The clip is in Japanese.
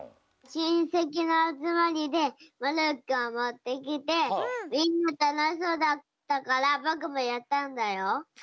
しんせきのあつまりでモルックをもってきてみんなたのしそうだったからぼくもやったんだよ。